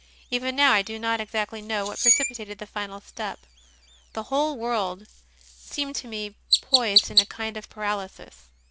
Even now I do not exactly know what precipitated the final step; the whole world seemed to me poised in a kind of paralysis.